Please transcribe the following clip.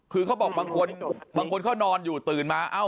คือเขาบอกบางคนนอนอยู่ตื่นมา